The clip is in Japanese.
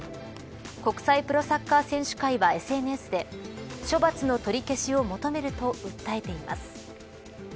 国際プロサッカー選手会はＳＮＳで処罰の取り消しを求めると訴えています。